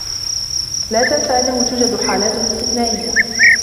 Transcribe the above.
لا تنس أنّه توجد حالات استثنائيّة.